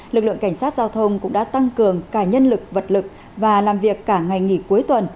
lực lượng cảnh sát giao thông cũng đã tăng cường cả nhân lực vật lực và làm việc cả ngày nghỉ cuối tuần